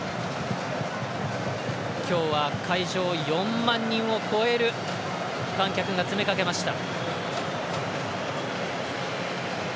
今日は会場４万人を超える観客が詰めかけました。